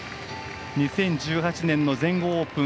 ２０１８年の全豪オープン。